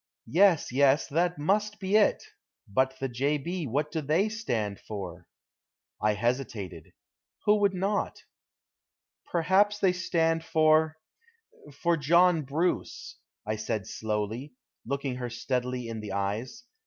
"Yes, yes. That must be it. But the 'J. B.,' what do they stand for?" I hesitated who would not? "Perhaps they stand for for John Bruce," I said slowly, looking her steadily in the eyes.